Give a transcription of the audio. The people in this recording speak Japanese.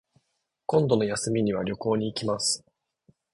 今度の休みには旅行に行きます